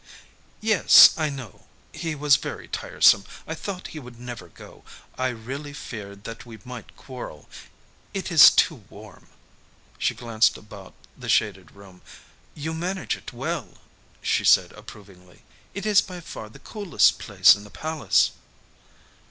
"Yes, I know. He was very tiresome. I thought he would never go. I really feared that we might quarrel. It is too warm." She glanced about the shaded room. "You manage it well," she said approvingly. "It is by far the coolest place in the palace."